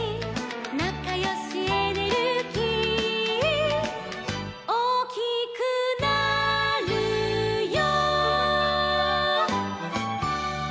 「なかよしエネルギー」「おおきくなるよ」